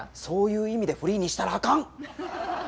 そういう意味でフリーにしたらあかん！